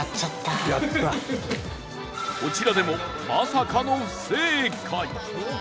こちらでも、まさかの不正解